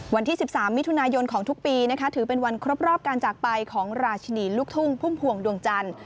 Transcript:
วันที่๑๓มิถุนายนของทุกปีนะคะถือเป็นวันครบรอบการจากไปของราชินีลูกทุ่งพุ่มพวงดวงจันทร์